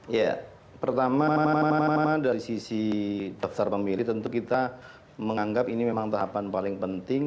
ya pertama dari sisi daftar pemilih tentu kita menganggap ini memang tahapan paling penting